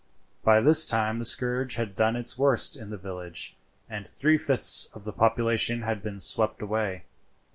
By this time the scourge had done its worst in the village, and three fifths of the population had been swept away.